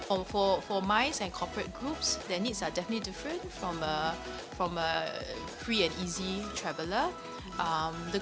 untuk misi dan grup korporat kebutuhan mereka pasti berbeda dari seorang penerbangan yang bebas dan mudah